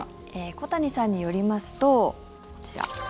小谷さんによりますとこちら。